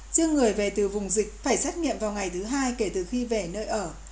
riêng người về từ vùng dịch phải xét nghiệm vào ngày thứ hai kể từ khi về nơi ở